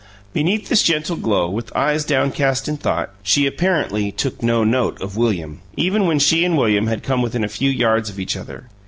Beneath this gentle glow, with eyes downcast in thought, she apparently took no note of William, even when she and William had come within a few yards of each other.